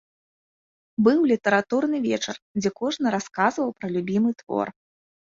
Быў літаратурны вечар, дзе кожны расказваў пра любімы твор.